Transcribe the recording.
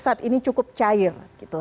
saat ini cukup cair